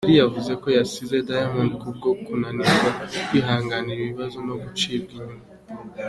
Zari yavuze ko yasize Diamond ku bwo kunanirwa kwihanganira ibibazo no gucibwa inyuma.